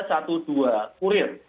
satu dua kurir